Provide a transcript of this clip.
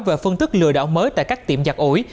về phân tức lừa đảo mới tại các tiệm giặt ủi